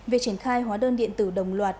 việc triển khai hóa đơn điện tử đồng loạt